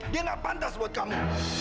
dia gak pantas buat kamu